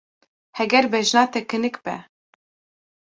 Heger bejna te kinik be.